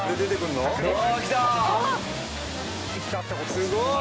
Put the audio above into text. すごい！